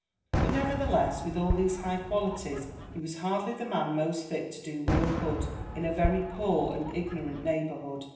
But, nevertheless, with all these high qualities he was hardly the man most fit to do real good in a very poor and ignorant neighbourhood.